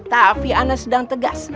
tapi anak sedang tegas